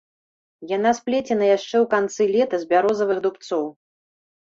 Яна сплецена яшчэ ў канцы лета з бярозавых дубцоў.